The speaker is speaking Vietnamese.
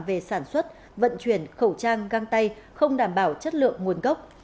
về sản xuất vận chuyển khẩu trang găng tay không đảm bảo chất lượng nguồn gốc